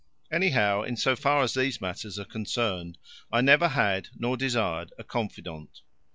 Anyhow, in so far as these matters are concerned, I never had nor desired a confidant.